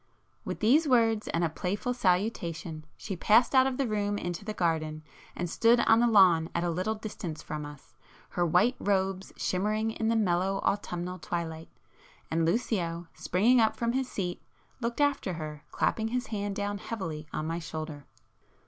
With these words, and a playful salutation, she passed out of the room into the garden, and stood on the lawn at a little distance from us, her white robes shimmering in the mellow autumnal twilight,—and Lucio, springing up from his seat, looked after her, clapping his hand down heavily on my shoulder.